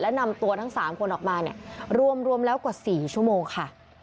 และนำตัวทั้ง๓คนออกมาเนี่ยรวมแล้วกว่า๔ชั่วโมงค่ะ